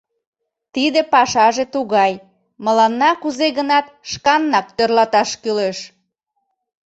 Тиде пашаже тугай: мыланна кузе-гынат шканнак тӧрлаташ кӱлеш.